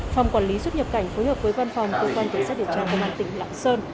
phòng quản lý xuất nhập cảnh phối hợp với văn phòng công an tỉnh lãng sơn